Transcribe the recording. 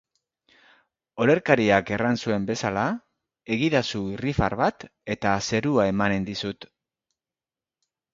Olerkariak erran zuen bezala, egidazu irrifar bat, eta zerua emanen dizut!